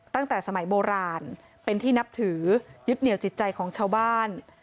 ตั้งแต่สมัยโบราณเป็นที่นับถือยึดเหนียวจิตใจของชาวบ้าน